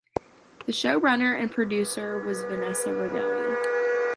The showrunner and producer was Vanessa Ragone.